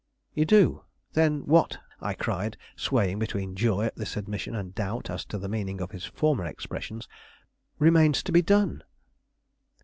"You do? Then what," I cried, swaying between joy at this admission and doubt as to the meaning of his former expressions, "remains to be done?"